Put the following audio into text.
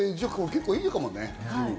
結構いいかもね。